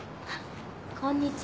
こんにちは